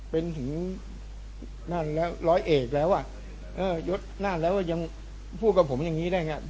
เป็นถึงนั่นแล้วร้อยเอกแล้วอ่ะเออยศนั่นแล้วยังพูดกับผมอย่างนี้ได้ไง